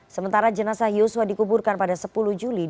sementara jenazah yusua dikuburkan pada sepuluh juli dua ribu dua puluh dua